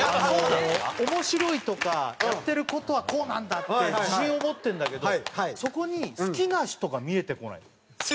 面白いとかやってる事はこうなんだって自信を持ってるんだけどそこに好きな人が見えてこない。